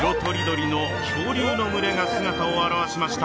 色とりどりの恐竜の群れが姿を現しました。